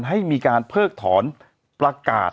ให้มีการเพิกถอนประกาศ